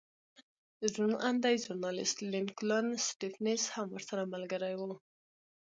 روڼ اندی ژورنالېست لینکولن سټېفنس هم ورسره ملګری و